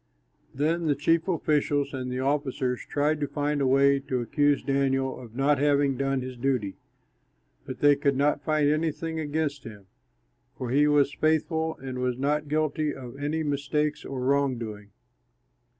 Then the chief officials and the officers tried to find a way to accuse Daniel of not having done his duty, but they could not find anything against him, for he was faithful and was not guilty of any mistake or wrong doing.